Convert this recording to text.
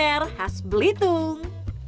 makanan khas belitung